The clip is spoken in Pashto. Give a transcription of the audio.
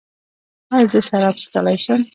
ایا زه شراب څښلی شم؟